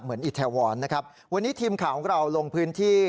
เหมือนอิทแทวอนนะครับวันนี้ทีมข่าวของเราลงพื้นที่